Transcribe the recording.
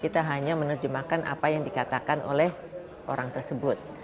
kita hanya menerjemahkan apa yang dikatakan oleh orang tersebut